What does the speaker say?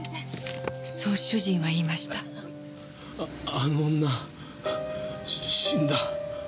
あの女死んだ。